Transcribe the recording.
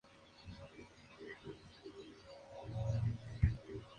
El hipo se debe a una contracción inesperada del diafragma durante la inspiración.